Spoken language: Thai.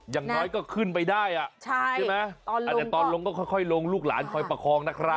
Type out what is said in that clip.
อย่างน้อยก็ขึ้นไปได้ใช่ไหมแต่ตอนลงก็ค่อยลงลูกหลานคอยประคองนะครับ